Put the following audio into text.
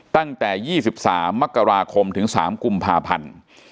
ตั้งแต่๒๓มกราคมถึง๓กุมภาพันธ์